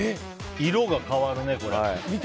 色が変わるね、これ。